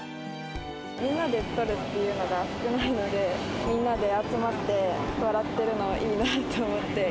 みんなで撮るっていうのが少ないので、みんなで集まって笑っているのがいいなと思って。